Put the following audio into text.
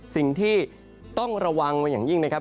สิ่งที่ต้องระวังอย่างยิ่ง